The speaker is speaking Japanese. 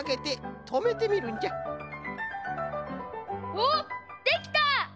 おっできた！